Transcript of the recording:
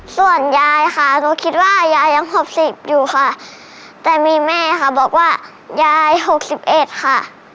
ส่วนยายค่ะหนูคิดว่ายายยังหกสิบอยู่ค่ะแต่มีแม่ค่ะบอกว่ายายหกสิบเอ็ดค่ะ